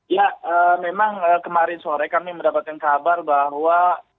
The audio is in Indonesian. ya memang kemarin sore kami mendapatkan kabar bahwa